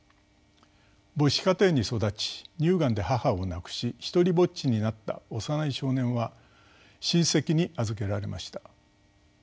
母子家庭に育ち乳がんで母を亡くし独りぼっちになった幼い少年は親戚に預けられました。